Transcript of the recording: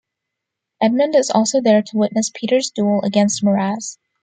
Edmund is also there to witness Peter's duel against Miraz.